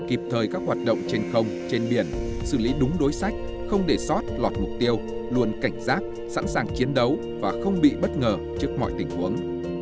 kịp thời các hoạt động trên không trên biển xử lý đúng đối sách không để sót lọt mục tiêu luôn cảnh giác sẵn sàng chiến đấu và không bị bất ngờ trước mọi tình huống